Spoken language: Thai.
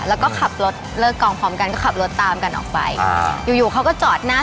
แล้วก็ขับรถเลิกกองพร้อมกันก็ขับรถตามกันออกไปอ่าอยู่อยู่เขาก็จอดหน้า